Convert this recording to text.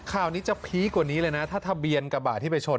ข่าวนี้จะพีคกว่านี้เลยนะถ้าทะเบียนกระบาดที่ไปชน